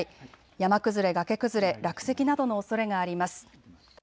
山崩れ、崖崩れ、落石などのおそれがあります。